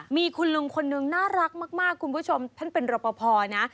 มีคุณลุงคนนึงน่ารักมากคุณผู้ชมท่านเป็นรอปภนะ